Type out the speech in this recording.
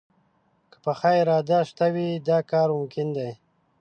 که پخه اراده شته وي، دا کار ممکن دی